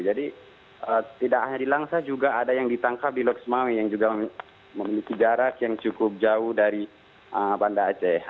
jadi tidak hanya di langsar juga ada yang ditangkap di loxmawi yang juga memiliki jarak yang cukup jauh dari banda aceh